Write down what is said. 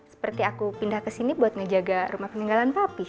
seperti aku pindah ke sini buat ngejaga rumah peninggalan papi